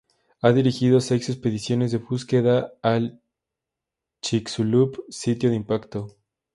Ha dirigido seis expediciones de búsqueda al Chicxulub sitio de impacto.